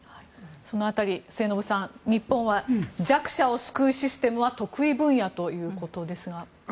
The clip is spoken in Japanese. その辺り、末延さん日本は弱者を救うシステムは得意分野ということですが。